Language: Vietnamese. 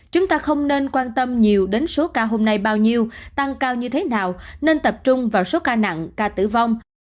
chúng ta không nên quan tâm nhiều đến số ca hôm nay bao nhiêu tăng cao như thế nào nên tập trung vào số ca nặng ca tử vong